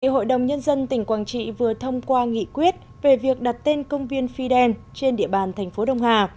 hội đồng nhân dân tỉnh quảng trị vừa thông qua nghị quyết về việc đặt tên công viên phi đen trên địa bàn thành phố đông hà